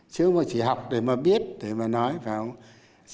chứ không phải chỉ học để mà biết để mà nói phải không